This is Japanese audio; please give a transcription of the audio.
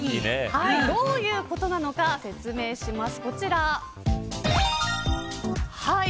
どういうことなのか説明します。